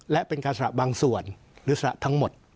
และเป็นการสละบางส่วนหรือสละทั้งหมด